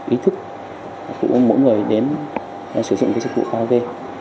ý thức của mỗi người đến sử dụng dịch vụ karaoke